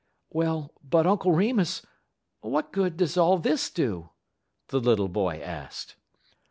"Well, but, Uncle Remus, what good does all this do?" the little boy asked.